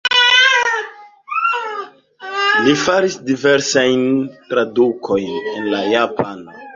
Li faris diversajn tradukojn el la japana.